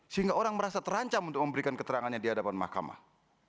sehingga orang merasa terancam untuk memberikan keterangannya di hadapan mahkamah